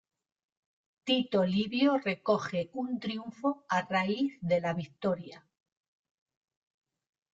Tito Livio recoge un triunfo a raíz de la victoria.